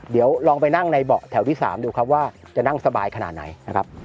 เดี๋ยวลองไปนั่งในเบาะแถวที่๓ดูครับว่าจะนั่งสบายขนาดไหนนะครับ